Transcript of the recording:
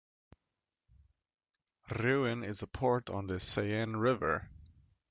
Rouen is a port on the Seine river.